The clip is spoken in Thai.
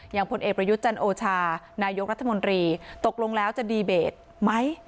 พลเอกประยุทธ์จันโอชานายกรัฐมนตรีตกลงแล้วจะดีเบตไหม